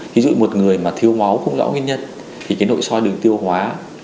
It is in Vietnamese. thí dụ như một người mà thiêu máu không rõ nguyên nhân thì cái nội soi đường tiêu hóa